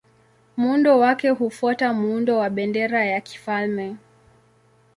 Muundo wake hufuata muundo wa bendera ya kifalme.